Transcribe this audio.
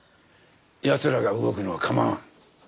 奴らが動くのは構わん。